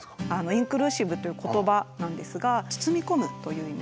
インクルーシブという言葉なんですが「包み込む」という意味で。